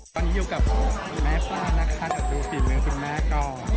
ตอนนี้อยู่กับคุณแม่ป้านะคะเดี๋ยวดูฝีมือคุณแม่ก่อน